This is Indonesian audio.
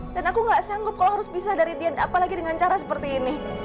dan aku gak sanggup kalau harus bisa dari dia apalagi dengan cara seperti ini